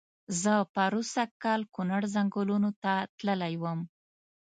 زه پرو سږ کال کونړ ځنګلونو ته تللی وم.